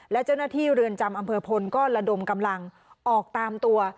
และเจ้าหน้าที่เรือนจำอำเภอพลก็ระดมกำลังออกตามตัว